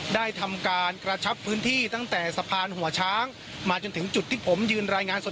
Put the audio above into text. ได้ทำการกระชับพื้นที่ตั้งแต่สะพานหัวช้างมาจนถึงจุดที่ผมยืนรายงานสด